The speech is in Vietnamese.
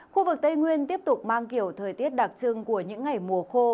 khu vực tây nguyên tiếp tục mang kiểu thời tiết đặc trưng của những ngày mùa khô